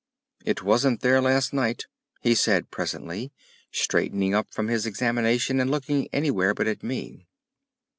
"It wasn't there last night," he said presently, straightening up from his examination and looking anywhere but at me.